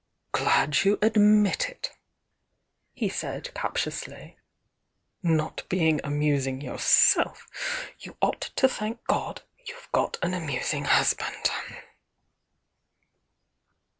"Glad you admit it!" he said, captiously. "Not being amusing yourself, you ought to thank God you've got an amusing husband!"